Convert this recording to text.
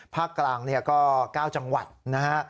ภาคกลางก็๙จังหวัดนะฮะ